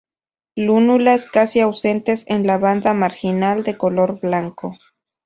Lúnulas casi ausentes en la banda marginal de color blanco.